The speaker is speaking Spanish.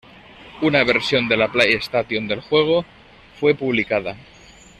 Una versión de la PlayStation del juego fue publicada.